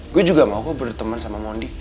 gue juga mau kok berteman sama mundi